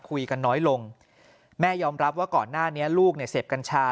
คุยกันน้อยลงแม่ยอมรับว่าก่อนหน้านี้ลูกเนี่ยเสพกัญชา